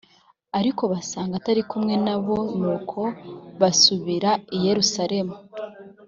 ariko basanga atari kumwe na bo nuko basubira i yerusalemu